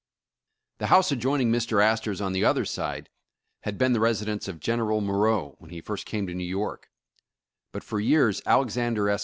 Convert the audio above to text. The house adjoining Mr. Astor's on the other side had been the residence of General Moreau when he first came to New York, but for years Alexander S.